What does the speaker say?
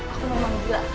aku gak mau berhenti